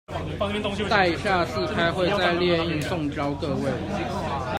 待下次開會再列印送交各位